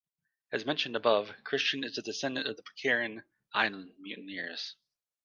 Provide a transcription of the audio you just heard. As mentioned above, Christian is a descendant of the Pitcairn Island mutineers.